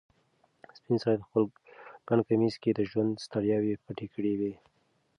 سپین سرې په خپل ګڼ کمیس کې د ژوند ستړیاوې پټې کړې وې.